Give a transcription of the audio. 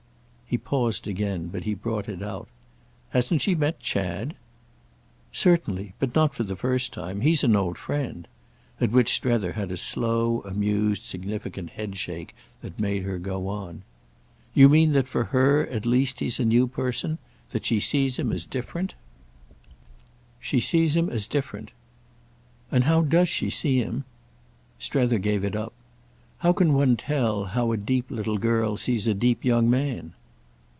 He paused again, but he brought it out. "Hasn't she met Chad?" "Certainly—but not for the first time. He's an old friend." At which Strether had a slow amused significant headshake that made her go on: "You mean that for her at least he's a new person—that she sees him as different?" "She sees him as different." "And how does she see him?" Strether gave it up. "How can one tell how a deep little girl sees a deep young man?"